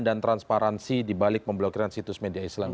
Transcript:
dan transparansi di balik pemblokiran situs media islam